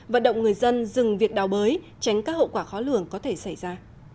vận động người dân dừng việc đào bới tránh các hậu quả khó lường có thể xảy ra